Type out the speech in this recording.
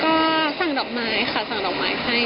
ก็สั่งดอกไม้ค่ะสั่งดอกไม้ให้